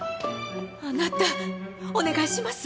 あなたお願いします。